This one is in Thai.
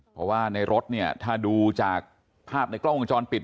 เพราะว่าในรถเนี่ยถ้าดูจากภาพในกล้องวงจรปิด